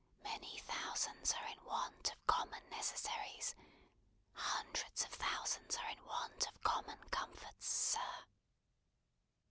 Many thousands are in want of common necessaries; hundreds of thousands are in want of common comforts, sir."